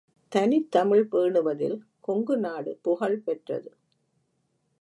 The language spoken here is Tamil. தனித்தமிழ் பேணுவதில் கொங்குநாடு புகழ்பெற்றது.